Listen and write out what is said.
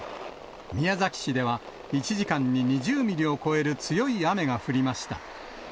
宮崎市では、１時間に２０ミリを超える強い雨が降りました。